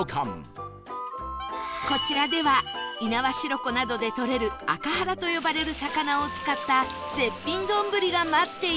こちらでは猪苗代湖などで獲れるアカハラと呼ばれる魚を使った絶品丼が待っていました